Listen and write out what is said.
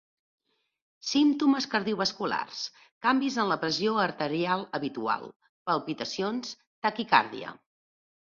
Símptomes cardiovasculars: canvis en la pressió arterial habitual, palpitacions, taquicàrdia.